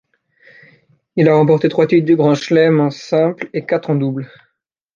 Il a remporté trois titres du Grand Chelem en simple et quatre en double.